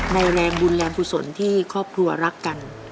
แรงบุญแรงกุศลที่ครอบครัวรักกัน